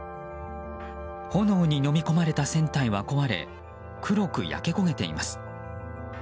炎にのみ込まれた船体は壊れ黒く焼け焦げています。